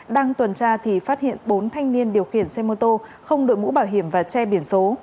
đang tuần tra thì phát hiện bốn thanh niên điều khiển xe mô tô không đội mũ bảo hiểm và che biển số